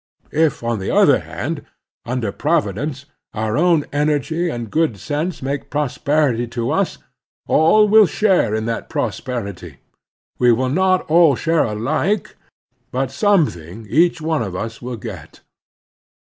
If, on the other hand, under Providence, our own energy and good sense bring prosperity to us, all will share in that prosperity. We will not all share alike, but something each one of us will get.